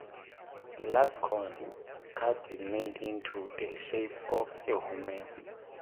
The last corn cut is made into the shape of a woman.